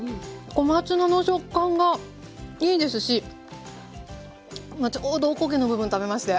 小松菜の食感がいいですし今ちょうどおこげの部分食べまして。